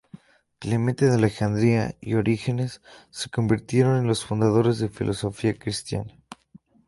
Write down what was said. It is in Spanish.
Clemente de Alejandría y Orígenes se convirtieron en los fundadores de la filosofía cristiana.